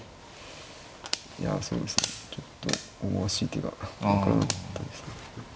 いやそうですねちょっと思わしい手が分からなかったですかね。